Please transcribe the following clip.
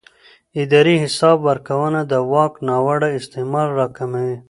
اداري حساب ورکونه د واک ناوړه استعمال راکموي